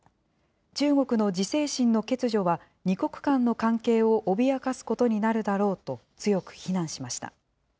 中国の自制心の欠如は２国間の関係を脅かすことになるだろうと強く非難しました。